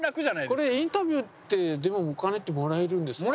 これインタビューってでもお金ってもらえるんですか？